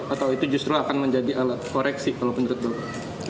atau itu justru akan menjadi alat koreksi kalau menurut bapak